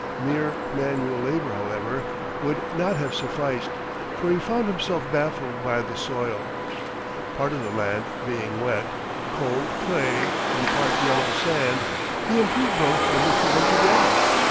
Mere manual labor, however, would not have sufficed; for he found himself baffled by the soil. Part of the land being wet, cold clay, and part yellow sand, he improved both by mixing them together.